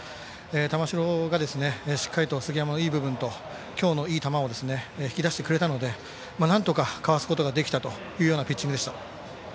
玉城がしっかりと杉山のいい部分と今日のいい球を引き出してくれたのでなんとかかわすことができたピッチングでした。